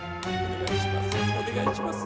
お願いします